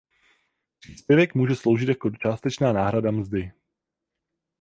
Příspěvek může sloužit jako částečná náhrada mzdy.